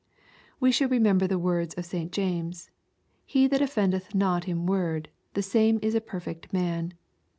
We should remember the words of St James, " He that offend eth not in word, the same is a perfect man."